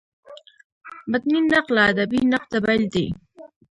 متني نقد له ادبي نقده بېل دﺉ.